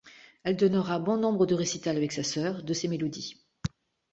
Elle donnera bon nombre de récitals avec sa sœur de ses mélodies.